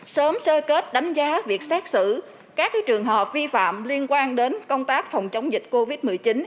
sớm sơ kết đánh giá việc xét xử các trường hợp vi phạm liên quan đến công tác phòng chống dịch covid một mươi chín